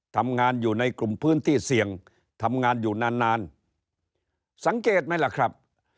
ทำงานอยู่ในกลุ่มพื้นที่เสี่ยงทำงานอยู่นานนานสังเกตไหมล่ะครับ